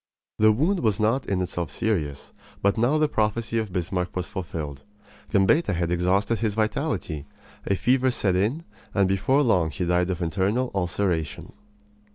The wound was not in itself serious, but now the prophecy of Bismarck was fulfilled. Gambetta had exhausted his vitality; a fever set in, and before long he died of internal ulceration.